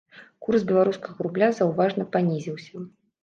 Курс беларускага рубля заўважна панізіўся.